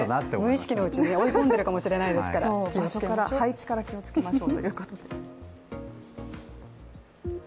無意識のうちに追い込んでいるかもしれないので配置から気をつけましょうということで。